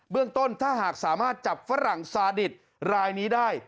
เรื่องต้นถ้าหากสามารถจับฝรั่งซาดิตรายนี้ได้